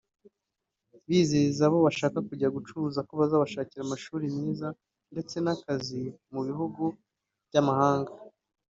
Bizeza abo bashaka kujya gucuruza ko bazabashakira amashuri meza ndetse n’akazi mu bihugu by’amahanga